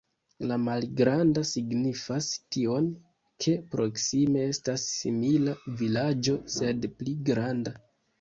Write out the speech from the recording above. La malgranda signifas tion, ke proksime estas simila vilaĝo, sed pli granda.